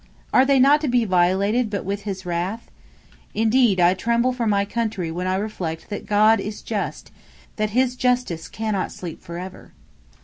Are they not to be violated but with His wrath? Indeed I tremble for my country when I reflect that God is just; that His justice cannot sleep forever."